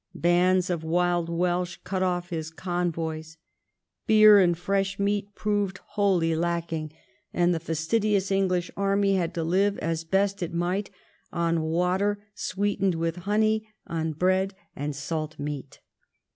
Bands of wild Welsh cut off his convoys. Beer and fresh meat proved wholly lacking, and the fastidious English army had to live, as best it might, on water sweetened with honey, on bread and salt meat.